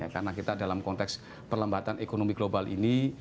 karena kita dalam konteks perlembatan ekonomi global ini